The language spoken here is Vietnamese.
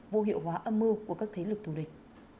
vô hiệu hóa âm mưu của các thế lực thù địch